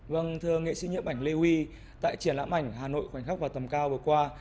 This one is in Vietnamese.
vâng thưa nghệ sĩ nhiếp ảnh lê huy tại triển lãm ảnh hà nội khoảnh khắc và tầm cao vừa qua